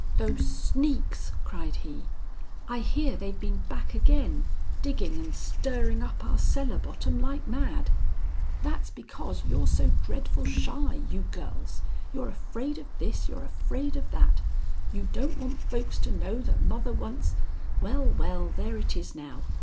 "Those sneaks!" cried he. "I hear they've been back again, digging and stirring up our cellar bottom like mad. That's because you're so dreadful shy, you girls. You're afraid of this, you're afraid of that. You don't want folks to know that mother once Well, well, there it is now!